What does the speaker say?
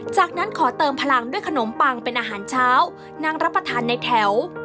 จากนั้นขอเติมพลังด้วยขนมปังเป็นอาหารเช้านั่งรับประทานในแถว